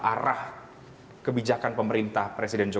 arah kebijakan pemerintah presiden jokowi